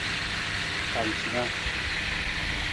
Pacinaa.